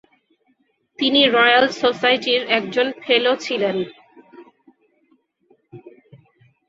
তিনি রয়্যাল সোসাইটির একজন ফেলো ছিলেন।